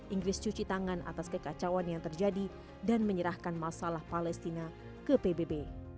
inggris cuci tangan atas kekacauan yang terjadi dan menyerahkan masalah palestina ke pbb